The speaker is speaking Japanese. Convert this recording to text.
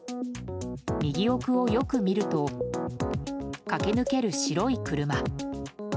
右奥をよく見ると駆け抜ける白い車。